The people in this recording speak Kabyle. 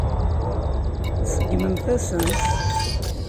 Tseggmemt-asen-tt.